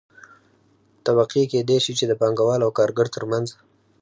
طبقې کيدى شي چې د پانګه وال او کارګر ترمنځ